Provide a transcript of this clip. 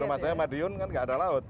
rumah saya madiun kan gak ada laut